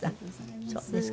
そうですか。